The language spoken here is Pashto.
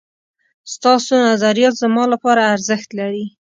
ستاسو نظريات زما لپاره ارزښت لري